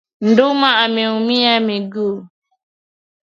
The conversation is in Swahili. Duma ameumia miguu